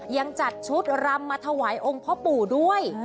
ยังจัดชุดรำมาถวายองค์พ่อปู่ด้วย